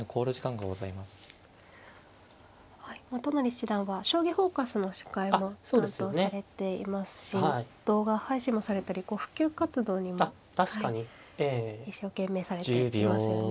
はい都成七段は「将棋フォーカス」の司会も担当されていますし動画配信もされたり普及活動にも一生懸命されていますよね。